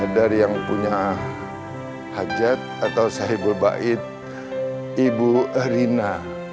dari yang punya hajat atau sahibulba'id ibu erina